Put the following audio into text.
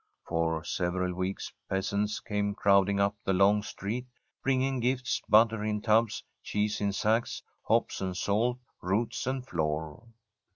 For several weeks peasants came crowding up the long street, bring ing g^fts: butter in tubs, cheese in sacks, hops and salt, roots and flour.